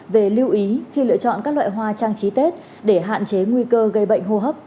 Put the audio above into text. về lưu ý khi lựa chọn các loại hoa trang trí tết để hạn chế nguy cơ gây bệnh hô hấp